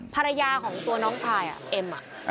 ภรรยาของตัวน้องชายเอ็ม